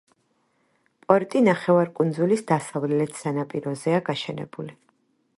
პორტი ნახევარკუნძულის დასავლეთ სანაპიროზეა გაშენებული.